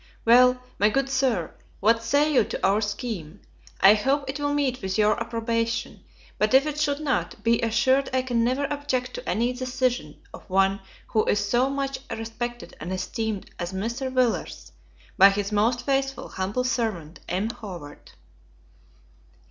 Well, my good Sir, what say you to our scheme? I hope it will meet with your approbation; but if it should not, be assured I can never object to any decision of one who is so much respected and esteemed as Mr. Villars, by His most faithful, humble servant, M. HOWARD.